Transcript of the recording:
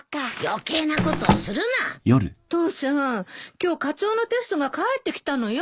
今日カツオのテストが返ってきたのよ。